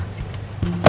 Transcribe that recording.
pegang pundak lo